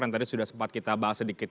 yang tadi sudah sempat kita bahas sedikit